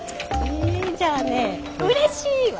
じゃあね「うれしい」は？